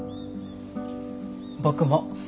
僕も。